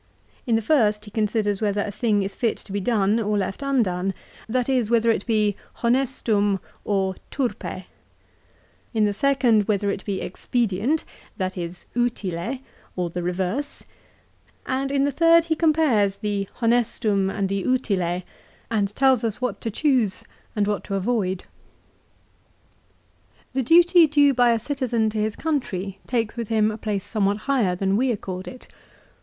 In the first he considers whether a thing is fit to be done or left undone, that is, whether it be "honestum" or " turpe "; in the second, whether it be expedient, that is " utile," or the reverse; and in the third he compares the "honestum" and the " utile," and tells us what to choose and what to avoid. 1 De Officiis, lib. ii. ca. v. VOL. II. C C 386 LIFE OF CICERO. The duty due by a citizen to his country takes with him a place somewhat higher than we accord to it.